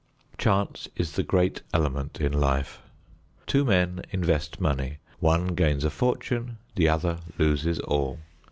Chance is the great element in life. Two men invest money; one gains a fortune, the other loses all.